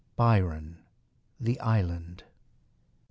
[BYRON, The Island.